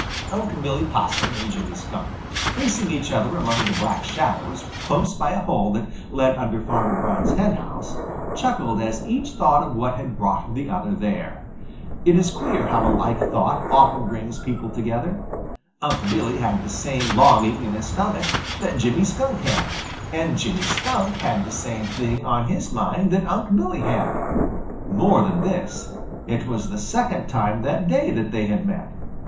Unc' Billy Possum and Jimmy Skunk, facing each other among the Black Shadows close by a hole that led under Farmer Brown's henhouse, chuckled as each thought of what had brought the other there. It is queer how a like thought often brings people together. Unc' Billy had the same longing in his stomach that Jimmy Skunk had, and Jimmy Skunk had the same thing on his mind that Unc' Billy had. More than this, it was the second time that day that they had met.